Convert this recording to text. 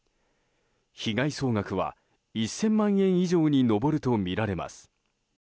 被害総額は１０００万円以上に上るとみられます。